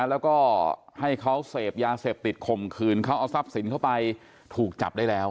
แล้วก็ให้เขาเสพยาเสพติดข่มขืนเขาเอาทรัพย์สินเข้าไปถูกจับได้แล้ว